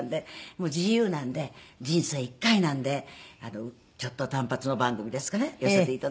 もう自由なんで人生一回なんでちょっと単発の番組ですかね寄せて頂いて。